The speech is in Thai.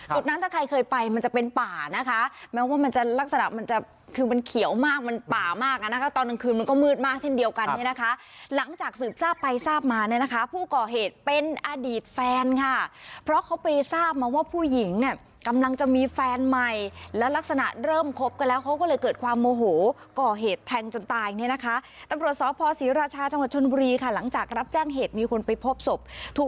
จุดนั้นถ้าใครเคยไปมันจะเป็นป่านะคะแม้ว่ามันจะลักษณะมันจะคือมันเขียวมากมันป่ามากนะคะตอนกลางคืนมันก็มืดมากสิ้นเดียวกันนะคะหลังจากสืบทราบไปทราบมาเนี่ยนะคะผู้ก่อเหตุเป็นอดีตแฟนค่ะเพราะเขาไปทราบมาว่าผู้หญิงเนี่ยกำลังจะมีแฟนใหม่แล้วลักษณะเริ่มคบกันแล้วเขาก็เลยเกิดความโมโหก่เหตุ